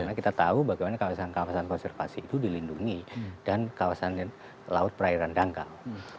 jadi kami tahu bagaimana kawasan kawasan konservasi itu dilindungi dan kawasan laut perairan dangkal